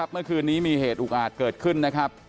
เมื่อคืนนี้มีเหตุอุกอาจเกิดขึ้นนะครับ